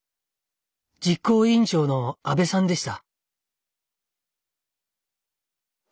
実行委員長の阿部さんでした。